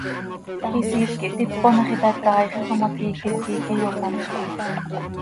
Quisiil quih tipon, hax itacaaixaj oo ma, quiiquet quih íiqui yopanzx.